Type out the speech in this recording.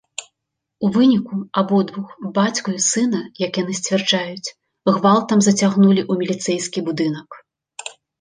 У выніку абодвух бацьку і сына, як яны сцвярджаюць, гвалтам зацягнулі ў міліцэйскі будынак.